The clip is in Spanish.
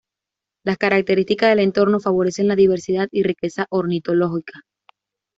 Las características del entorno favorecen la diversidad y riqueza ornitológica.